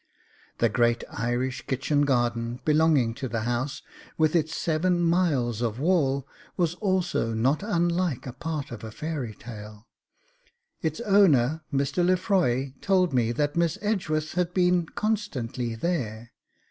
The great Irish kitchen garden, belonging to the house, with its seven miles of wall, was also not unlike a part of a fairy tale. Its owner, Mr. Lefroy, told me that Miss Edgeworth had been constantly there.